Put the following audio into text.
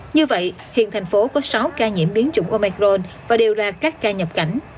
như vậy hiện thành phố có sáu ca nhiễm biến chủng omicron và đều là các ca nhập cảnh